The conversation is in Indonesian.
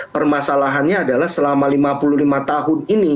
permasalahannya adalah selama lima puluh lima tahun ini